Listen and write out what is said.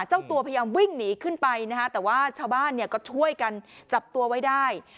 เจ้าตัวพยายามวิ่งหนีขึ้นไปนะฮะแต่ว่าชาวบ้านเนี่ยก็ช่วยกันจับตัวไว้ได้